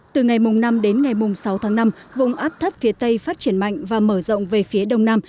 từ ngày năm đến ngày sáu tháng năm vùng áp thấp phía tây phát triển mạnh và mở rộng về phía đông nam